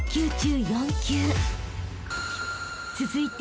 ［続いて］